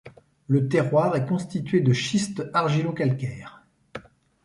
Le terroir est constitué de schiste argilo-calcaire.